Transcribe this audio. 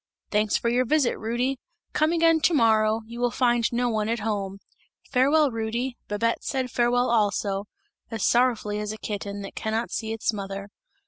"'Thanks for your visit, Rudy! Come again to morrow, you will find no one at home. Farewell, Rudy!' Babette said farewell also, as sorrowfully as a kitten, that cannot see its mother.